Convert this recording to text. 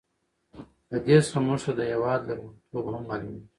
له دې څخه موږ ته د هېواد لرغون توب هم معلوميږي.